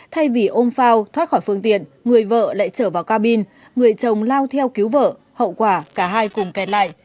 thay vì ôm phao thoát khỏi phương tiện người vợ lại chở vào cabin người chồng lao theo cứu vợ hậu quả cả hai cùng kẹt lại